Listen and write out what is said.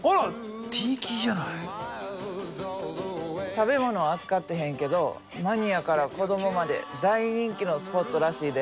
食べ物は扱ってへんけどマニアから子どもまで大人気のスポットらしいで。